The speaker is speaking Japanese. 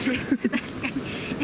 確かに。